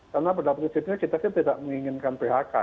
karena pada prinsipnya kita sih tidak menginginkan phk ya